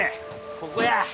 ここや。